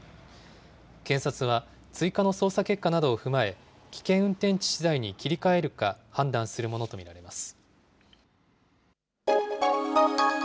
検察は追加の捜査結果などを踏まえ、危険運転致死罪に切り替えるか判断するものと見られます。